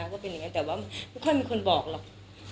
ว่าเป็นอย่างนี้แต่ว่าไม่ค่อยมีคนบอกหรอก